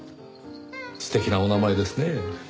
素敵なお名前ですねぇ。